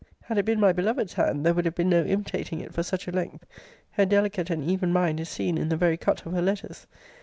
Had it been my beloved's hand, there would have been no imitating it for such a length. Her delicate and even mind is seen in the very cut of her letters.